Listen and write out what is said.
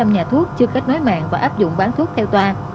một sáu trăm linh nhà thuốc chưa kết nối mạng và áp dụng bán thuốc theo toa